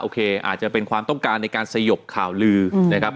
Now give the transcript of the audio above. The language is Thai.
อาจจะเป็นความต้องการในการสยบข่าวลือนะครับ